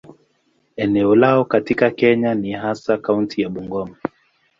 Eneo lao katika Kenya ni hasa kaunti ya Bungoma.